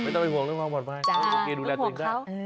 โผล่ตัวเองเลยตะแกะ